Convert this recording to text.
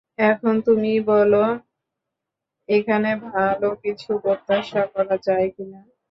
এখন তুমিই বলো, এখানে ভালো কিছু প্রত্যাশা করা যায় কিনা?